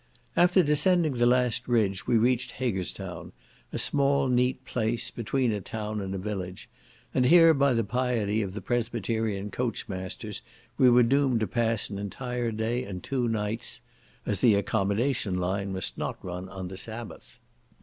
After descending the last ridge we reached Haggerstown, a small neat place, between a town and a village; and here by the piety of the Presbyterian coach masters, we were doomed to pass an entire day, and two nights, "as the accommodation line must not run on the sabbath."